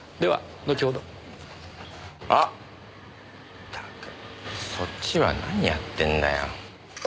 ったくそっちは何やってんだよ。